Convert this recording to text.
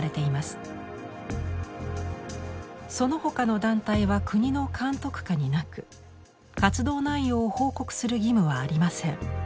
そのほかの団体は国の監督下になく活動内容を報告する義務はありません。